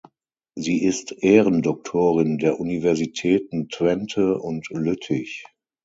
Sie ist Ehrendoktorin der Universitäten Twente und Lüttich.